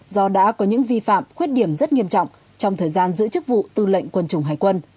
do đã có những vi phạm khuyết điểm rất nghiêm trọng trong thời gian giữ chức vụ tư lệnh quân chủng hải quân